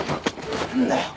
何だよ！